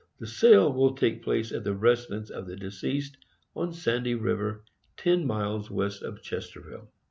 The sale will take place at the residence of the deceased, on Sandy River, 10 miles West of Chesterville.